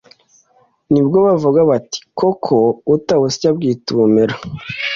ni bwo bavuga bati : “koko utabusya abwita ubumera”!